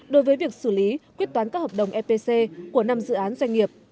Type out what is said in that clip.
đối với việc xử lý quyết toán các hợp đồng epc của năm dự án doanh nghiệp